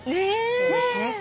そうですね。